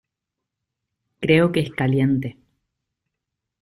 Creo que es caliente.